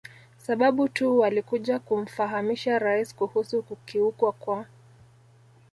sababu tu walikuja kumfahamisha Rais kuhusu kukiukwa kwa